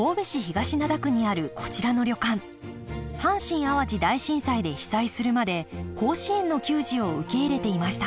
阪神・淡路大震災で被災するまで甲子園の球児を受け入れていました。